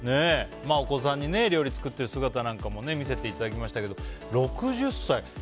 お子さんに料理作っている姿なんかも見せていただきましたけど６０歳。